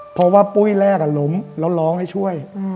เพราะว่าปุ้ยแรกล้มแล้วร้องให้ช่วย